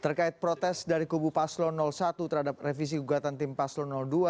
terkait protes dari kubu paslo satu terhadap revisi gugatan tim paslo dua